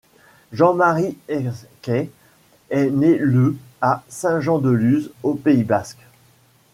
Jean-Marie Ecay est né le à Saint-Jean-de-Luz, au Pays basque.